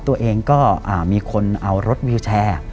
ตัวเองก็มีคนเอารถวิวแชร์